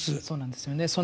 そうなんですよね。